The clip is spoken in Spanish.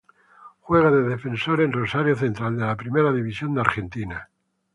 Juega de defensor en Rosario Central de la Primera División de Argentina.